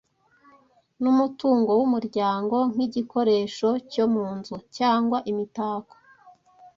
Numutungo wumuryango, nkigikoresho cyo mu nzu cyangwa imitako,